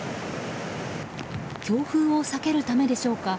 強風を避けるためでしょうか。